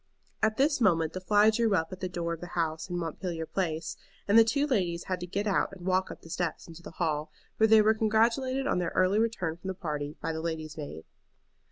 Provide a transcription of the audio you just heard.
At this moment the fly drew up at the door of the house in Montpelier Place, and the two ladies had to get out and walk up the steps into the hall, where they were congratulated on their early return from the party by the lady's maid.